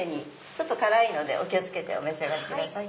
ちょっと辛いのでお気を付けてお召し上がりください。